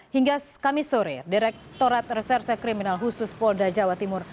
hingga kamis sore direkturat reserse kriminal khusus polda jawa timur